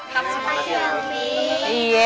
terima kasih bang fy